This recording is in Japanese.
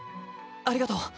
ありがとう。